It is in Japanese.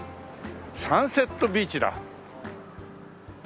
サンセットビーチだ。